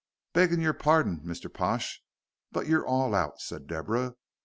"Beggin' your parding, Mr. Pash, but you're all out," said Deborah.